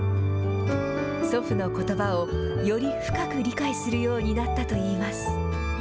祖父のことばをより深く理解するようになったといいます。